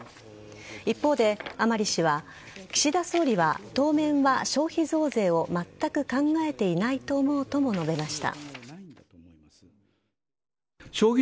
一方で、甘利氏は岸田総理は当面は消費増税をまったく考えていないと思うとも述べました。